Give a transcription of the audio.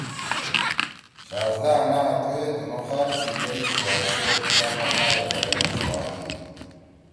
”شہزَدانا! تھوئے تنُو خار سی یِئی شُوا سیت چأت ٹقالے مھیرے نہ شوادی!